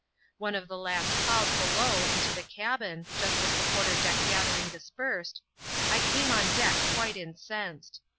One of the last called below into the cabin, just as the quarter deck gathering dispersed, 1 came on deck quite incensed.